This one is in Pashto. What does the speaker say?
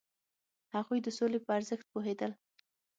هغوی د سولې په ارزښت پوهیدل.